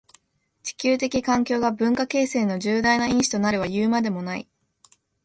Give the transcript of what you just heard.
地理的環境が文化形成の重大な因子となるはいうまでもない。